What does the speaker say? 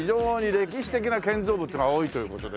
歴史的な建造物が多いという事でね